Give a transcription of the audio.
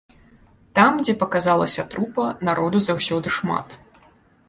Там, дзе паказалася трупа, народу заўсёды шмат.